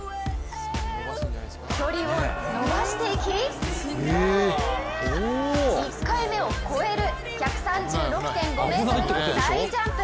距離を延ばしていき１回目を超える１３６．５ｍの大ジャンプ。